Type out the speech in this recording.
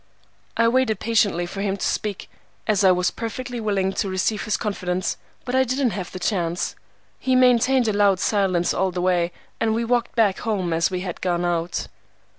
I waited patiently for him to speak, as I was perfectly willing to receive his confidence, but I didn't have the chance. He maintained a loud silence all the way, and we walked back home as we had gone out.